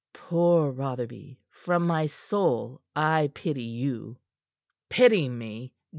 Poor Rotherby! From my soul I pity you!" "Pity me?